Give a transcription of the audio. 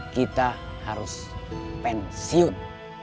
kita harus pensiun